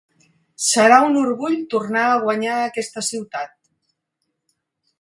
Serà un orgull tornar a guanyar aquesta ciutat.